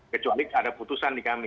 kecuali ada putusan di kami